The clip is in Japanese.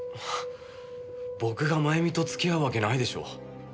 僕がまゆみと付き合うわけないでしょう。